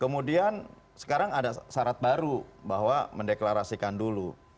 kemudian sekarang ada syarat baru bahwa mendeklarasikan dulu